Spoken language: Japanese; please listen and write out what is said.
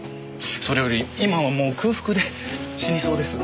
それより今はもう空腹で死にそうです。